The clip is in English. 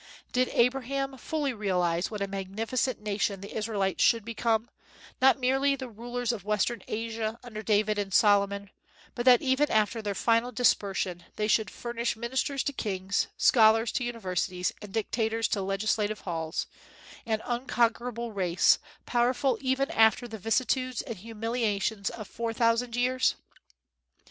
Did Abraham fully realize what a magnificent nation the Israelites should become, not merely the rulers of western Asia under David and Solomon, but that even after their final dispersion they should furnish ministers to kings, scholars to universities, and dictators to legislative halls, an unconquerable race, powerful even after the vicissitudes and humiliations of four thousand years?